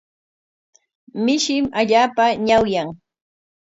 Mishim allaapa ñawyan.